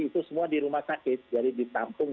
itu semua di rumah sakit jadi ditampung